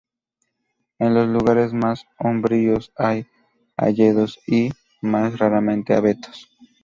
En los lugares más umbríos hay hayedos y, más raramente, abetos.